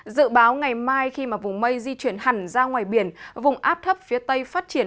dự báo ngày mai khi vùng mây di chuyển hẳn ra ngoài biển vùng áp thấp phía tây phát triển